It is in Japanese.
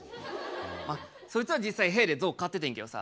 まあそいつは実際部屋で象飼っててんけどさ。